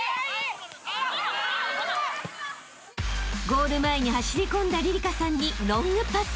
［ゴール前に走り込んだりりかさんにロングパス］